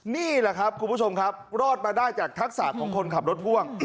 นี่แหละครับคุณผู้ชมครับรอดมาได้จากทักษะของคนขับรถพ่วง